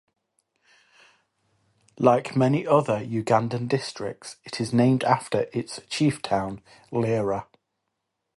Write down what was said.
Like many other Ugandan districts, it is named after its 'chief town', Lira.